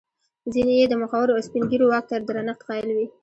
ځیني یې د مخورو او سپین ږیرو واک ته درنښت قایل وي.